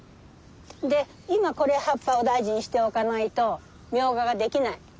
で今葉っぱを大事にしておかないとミョウガが出来ない。